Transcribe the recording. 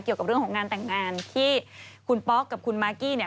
เกี่ยวกับเรื่องของงานแต่งงานที่คุณป๊อกกับคุณมากกี้เนี่ย